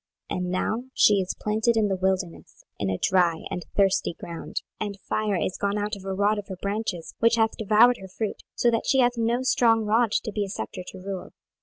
26:019:013 And now she is planted in the wilderness, in a dry and thirsty ground. 26:019:014 And fire is gone out of a rod of her branches, which hath devoured her fruit, so that she hath no strong rod to be a sceptre to rule.